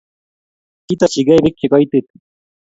Kitarchigei beek chekoitit